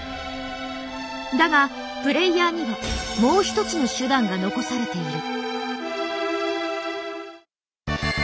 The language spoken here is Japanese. だがプレイヤーにはもう一つの手段が残されている。